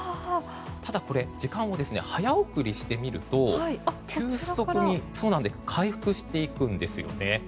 ただこれ時間を早送りしてみると急速に回復していくんですよね。